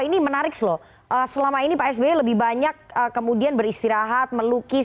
ini menarik loh selama ini pak sby lebih banyak kemudian beristirahat melukis